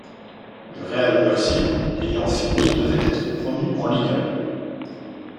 Le Real Murcie, ayant fini devait être promu en Liga.